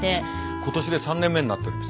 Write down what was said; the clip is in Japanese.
今年で３年目になっております。